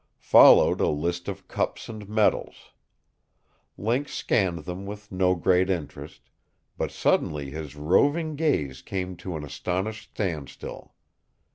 Followed a list of cups and medals. Link scanned them with no great interest, But suddenly his roving gaze came to an astonished standstill.